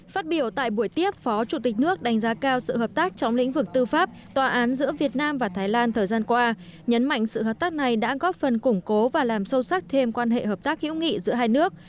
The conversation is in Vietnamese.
phát biểu tại buổi tiếp phó chủ tịch nước đánh giá cao sự hợp tác trong lĩnh vực tư pháp tòa án giữa việt nam và thái lan thời gian qua nhấn mạnh sự hợp tác này đã góp phần củng cố và làm sâu sắc thêm quan hệ hợp tác hữu nghị giữa hai nước